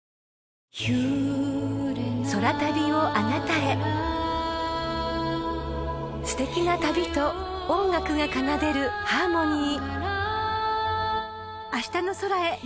うるおいタイプも［すてきな旅と音楽が奏でるハーモニー］